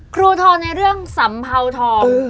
ครูทรในเรื่องสำพาวทรง